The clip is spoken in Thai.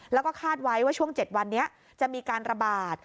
แล้วก็คาดไว้ว่าช่วง๗วันนี้จะมีการระบาด